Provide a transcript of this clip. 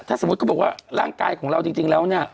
ถ้าสมมุติเขาบอกว่าร่างกายของเราจริงแล้วเนี่ย